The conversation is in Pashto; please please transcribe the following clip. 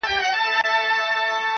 • د پامیر دي، د هري، د ننګرهار دي -